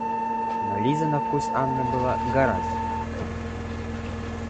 Но Лиза на вкус Анны была гораздо привлекательнее.